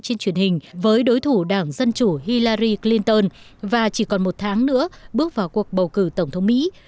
trên truyền hình với đối thủ đảng dân chủ hillari clinton và chỉ còn một tháng nữa bước vào cuộc bầu cử tổng thống mỹ